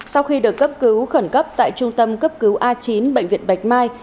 sau khi được cấp cứu khẩn cấp tại trung tâm cấp cứu a chín bệnh viện bạch mai